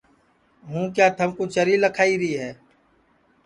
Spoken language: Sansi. ہوں کیا تھمکُو چری لکھائی ری ہے